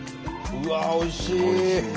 うわおいしい！